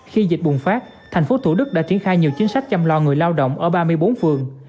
khi dịch bùng phát thành phố thủ đức đã triển khai nhiều chính sách chăm lo người lao động ở ba mươi bốn phường